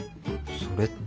それって。